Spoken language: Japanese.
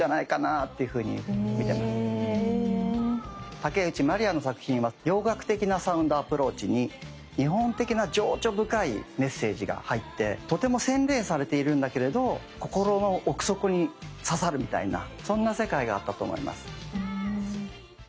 竹内まりやの作品は洋楽的なサウンドアプローチに日本的な情緒深いメッセージが入ってとても洗練されているんだけれど心の奥底に刺さるみたいなそんな世界があったと思います。